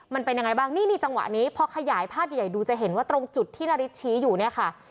มันเป็นยังไงบ้างนี่นี่จังหวะนี้พอขยายภาพใหญ่ดูจะเห็นว่าตรงจุดที่นาริสชี้อยู่เนี่ยค่ะ